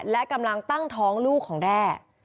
และกำลังตั้งท้องลูกของแด้